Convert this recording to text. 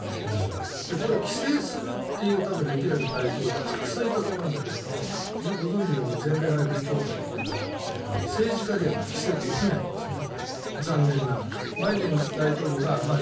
多分、これを規制するという歴代の大統領たくさんいたと思うんだけどご存じのように全米ライフル協会っていうのがあって政治家では規制できないんですね。